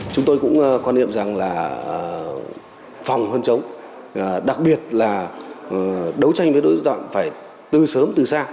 chúng tôi cũng quan niệm rằng là phòng hơn chống đặc biệt là đấu tranh với đối tượng phải từ sớm từ xa